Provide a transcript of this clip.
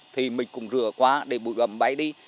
thì mình cũng rửa qua để bụi bẩm bay đi